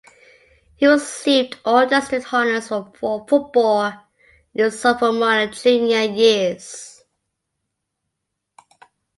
He received all-district honors for football in his sophomore and junior years.